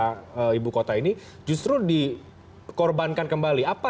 karena barang baru badan otorita ibu kota ini justru dikorbankan kembali